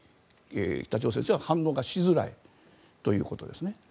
北朝鮮としては反応がしづらいということですね。